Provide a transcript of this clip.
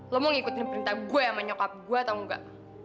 lo mau ngikutin perintah gue yang menyokap gue atau enggak